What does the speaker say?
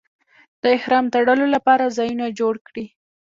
د احرام تړلو لپاره ځایونه جوړ کړي.